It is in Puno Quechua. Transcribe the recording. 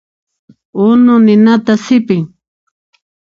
Unu ninata sipin.